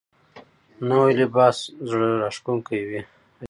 نوی لباس زړه راښکونکی وي